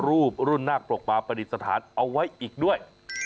รูปรุ่นนาคปรกปลาประดิษฐานเอาไว้อีกด้วย